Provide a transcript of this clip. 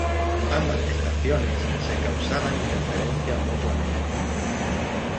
Ambas estaciones se causaban interferencia mutuamente.